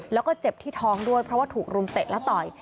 แล้วก็เจ็บที่ท้องด้วยเพราะว่าถูกรุมเตะและต่อย